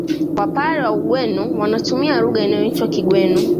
Wapare wa Ugweno wanatumia lugha inayoitwa Kigweno